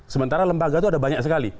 sementara lembaga itu ada banyak sekali